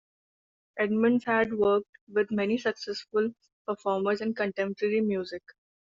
Edmonds has worked with many successful performers in contemporary music.